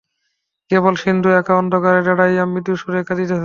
কেবল সিন্ধু একা অন্ধকারে দাড়াইয়া মৃদুস্বরে কাঁদিতেছে।